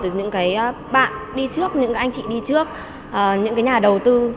từ những bạn đi trước những anh chị đi trước những nhà đầu tư